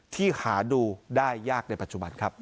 ที่หาดูได้ยากในปัจจุบันครับ